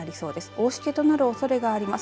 大しけとなるおそれがあります。